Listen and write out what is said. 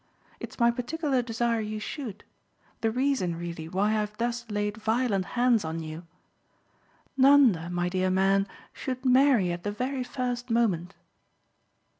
It's my particular desire you should the reason, really, why I've thus laid violent hands on you. Nanda, my dear man, should marry at the very first moment."